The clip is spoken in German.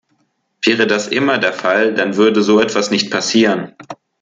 Wäre das immer der Fall, dann würde so etwas nicht passieren.